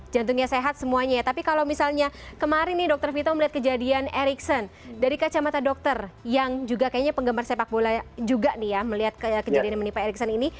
jantungnya sehat semuanya ya tapi kalau misalnya kemarin nih dokter vito melihat kejadian ericson dari kacamata dokter yang juga kayaknya penggemar sepak bola juga nih ya melihat kejadian yang menimpa eriksen ini